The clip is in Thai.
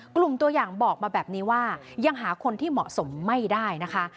กลุ่มตัวอย่างบอกมาแบบนี้ว่ายังหาคนที่เหมาะสมไม่ได้นะคะ